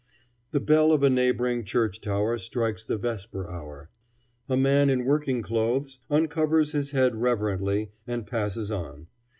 The bell of a neighboring church tower strikes the vesper hour. A man in working clothes uncovers his head reverently, and passes on.